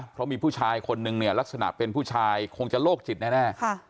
เพราะมีผู้ชายคนนึงเนี่ยลักษณะเป็นผู้ชายคงจะโรคจิตแน่